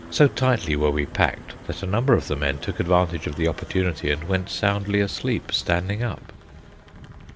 So tightly were we packed, that a number of the men took advantage of the opportunity and went soundly asleep standing up.